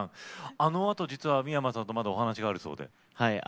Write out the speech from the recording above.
あのあと実は三山さんとまだお話があるそうで。